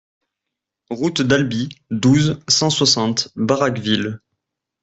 Route d'Albi, douze, cent soixante Baraqueville